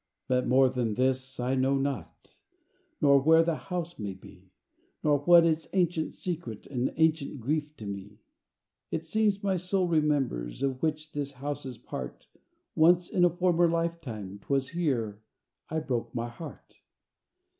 But more than this I know not; Nor where the house may be; Nor what its ancient secret And ancient grief to me. It seems my soul remembers, Of which this house is part, Once, in a former lifetime, 'Twas here I broke my heart.